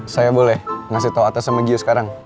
saya boleh ngasih tau atas sama giu sekarang